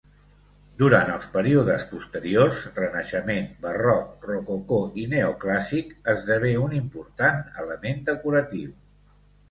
Durant els períodes posteriors, Renaixement, Barroc, Rococó i Neoclàssic, esdevé un important element decoratiu.